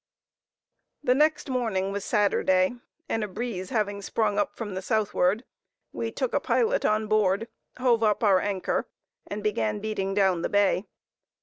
The next morning was Saturday, and a breeze having sprung up from the southward, we took a pilot on board, hove up our anchor, and began beating down the bay.